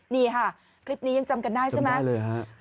นี่คลิปนี้ยังจำกันได้ใช่ไหมจำได้เลยครับ